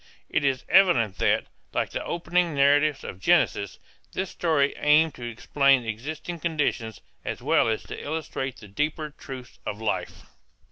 It is evident that, like the opening narratives of Genesis, this story aimed to explain existing conditions, as well as to illustrate the deeper truths of life.